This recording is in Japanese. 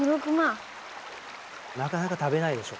なかなか食べないでしょ？